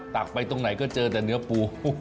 ตักไปตรงไหนก็เจอแต่เนื้อปู